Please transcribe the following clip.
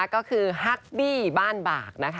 ก็คือฮักบี้บ้านบากนะคะ